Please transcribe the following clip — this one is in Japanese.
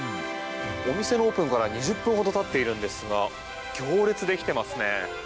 お店のオープンから２０分ほどたっているのですが行列、できてますね。